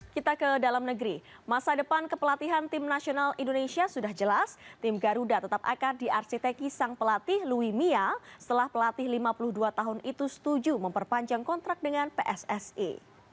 kita ke dalam negeri masa depan kepelatihan tim nasional indonesia sudah jelas tim garuda tetap akan diarsiteki sang pelatih louis mia setelah pelatih lima puluh dua tahun itu setuju memperpanjang kontrak dengan pssi